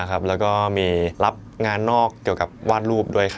แล้วก็มีรับงานนอกเกี่ยวกับวาดรูปด้วย